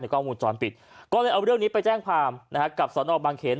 กล้องวงจรปิดก็เลยเอาเรื่องนี้ไปแจ้งความนะฮะกับสอนอบางเขน